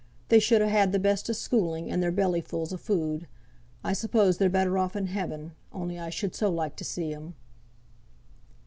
"They should ha' had the best o' schooling, and their belly fulls o' food. I suppose they're better off in heaven, only I should so like to see 'em."